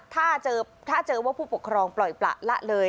ถ้าเจอว่าผู้ปกครองปล่อยประละเลย